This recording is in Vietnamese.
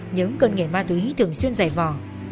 những cơn nghiện ma túy thường xuyên dày vò